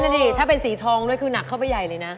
ดิถ้าเป็นสีทองด้วยคือหนักเข้าไปใหญ่เลยนะ